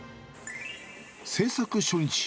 制作初日。